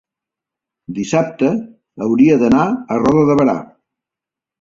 dissabte hauria d'anar a Roda de Berà.